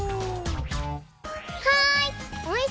はい！